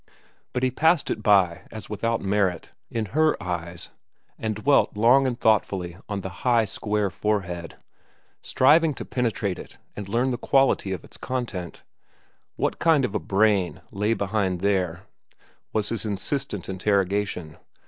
But he passed it by as without merit, in Her eyes, and dwelt long and thoughtfully on the high, square forehead,—striving to penetrate it and learn the quality of its content. What kind of a brain lay behind there? was his insistent interrogation.